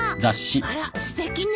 あらすてきね。